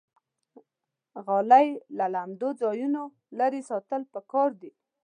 غالۍ له لمدو ځایونو لرې ساتل پکار دي.